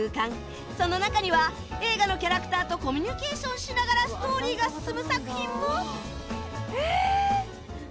その中には映画のキャラクターとコミュニケーションしながらストーリーが進む作品も